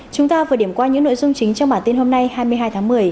chúng ta vừa điểm qua những nội dung chính trong bản tin hôm nay hai mươi hai tháng một mươi